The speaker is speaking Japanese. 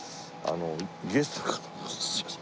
ゲストがすいません。